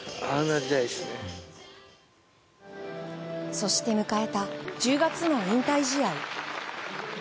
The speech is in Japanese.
そして迎えた１０月の引退試合。